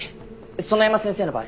園山先生の場合。